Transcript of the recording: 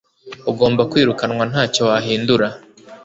ugomba kwirukanwa ntacyo wahindura